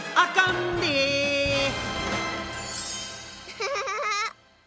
ハハハハハ！